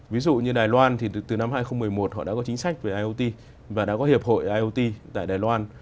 ví dụ như đài loan thì từ năm hai nghìn một mươi một họ đã có chính sách về iot và đã có hiệp hội iot tại đài loan